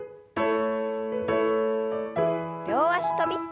両脚跳び。